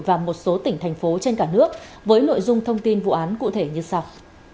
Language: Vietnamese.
và một số tỉnh thành phố trên cả nước với nội dung thông tin vụ án cụ thể như sau